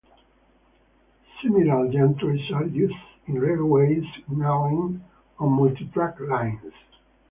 Similar gantries are used in railway signalling on multi-track lines.